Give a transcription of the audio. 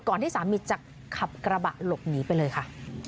ที่สามีจะขับกระบะหลบหนีไปเลยค่ะ